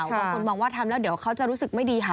บางคนมองว่าทำแล้วเดี๋ยวเขาจะรู้สึกไม่ดีค่ะ